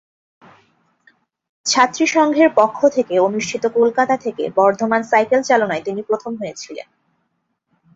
ছাত্রী সংঘের পক্ষ থেকে অনুষ্ঠিত কলকাতা থেকে বর্ধমান সাইকেল চালনায় তিনি প্রথম হয়েছিলেন।